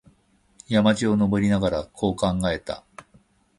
山路を登りながら、こう考えた。